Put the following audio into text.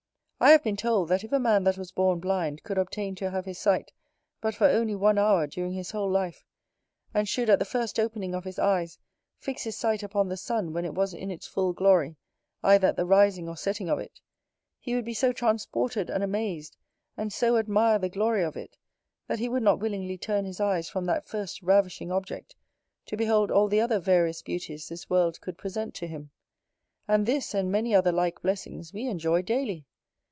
I have been told, that if a man that was born blind could obtain to have his sight for but only one hour during his whole life, and should, at the first opening of his eyes, fix his sight upon the sun when it was in its full glory, either at the rising or setting of it, he would be so transported and amazed, and so admire the glory of it, that he would not willingly turn his eyes from that first ravishing object, to behold all the other various beauties this world could present to him. And this, and many other like blessings, we enjoy daily.